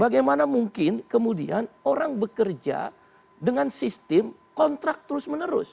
bagaimana mungkin kemudian orang bekerja dengan sistem kontrak terus menerus